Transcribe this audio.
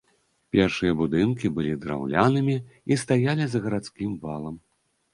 Першыя будынкі былі драўлянымі і стаялі за гарадскім валам.